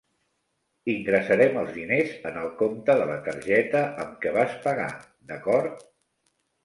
Ingressarem els diners en el compte de la targeta amb què vas pagar, d'acord?